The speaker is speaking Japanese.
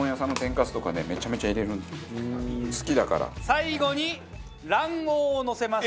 最後に卵黄をのせます。